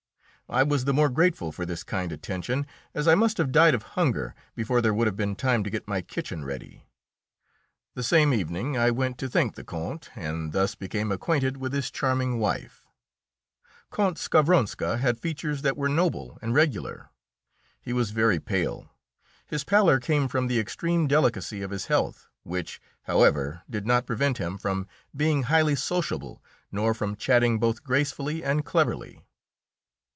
I was the more grateful for this kind attention, as I must have died of hunger before there would have been time to get my kitchen ready. The same evening I went to thank the Count, and thus became acquainted with his charming wife. [Illustration: MARIE CAROLINE, WIFE OF FERDINAND IV. OF NAPLES.] Count Skavronska had features that were noble and regular; he was very pale. This pallor came from the extreme delicacy of his health, which, however, did not prevent him from being highly sociable nor from chatting both gracefully and cleverly.